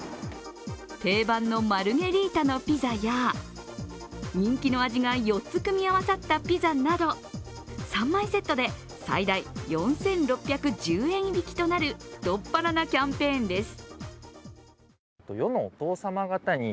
定番のマルゲリータのピザや人気の味が４つ組み合わさったピザなど３枚セットで最大４６１０円引きとなる太っ腹なキャンペーンです。